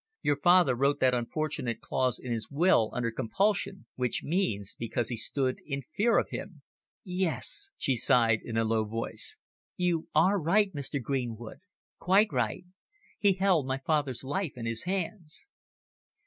Your father wrote that unfortunate clause in his will under compulsion which means, because he stood in fear of him." "Yes," she sighed in a low voice. "You are right, Mr. Greenwood. Quite right. He held my father's life in his hands."